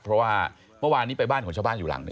เพราะว่าเมื่อวานนี้ไปบ้านของชาวบ้านอยู่หลังหนึ่ง